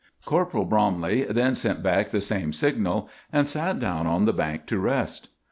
Corporal Bromley then sent back the same signal, and sat down on the bank to rest.